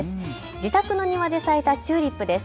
自宅の庭で咲いたチューリップです。